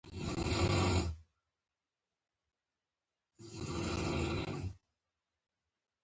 د معلوماتي ټکنالوجۍ زدهکړه ډېر اهمیت لري.